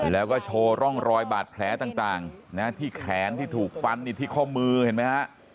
แล้วก็โชว์ร่องรอยบาดแผลต่างที่แขนที่ถูกฟันที่ข้อมือเห็นไหมฮะ